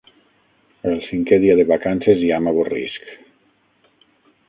El cinqué dia de vacances i ja m'avorrisc.